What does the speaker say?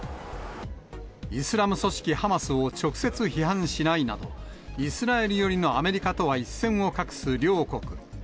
イスラム組織ハマスを直接批判しないなど、イスラエル寄りのアメリカとは一線を画す両国。